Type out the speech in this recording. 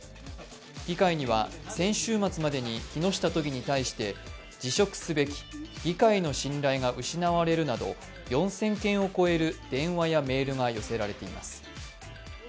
議会には先週末までに木下都議に対して辞職すべき、議会の信頼が失われるなど４０００件を超える電話やメールが寄せられています。